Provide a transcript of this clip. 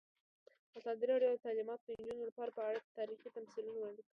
ازادي راډیو د تعلیمات د نجونو لپاره په اړه تاریخي تمثیلونه وړاندې کړي.